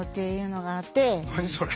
何それ？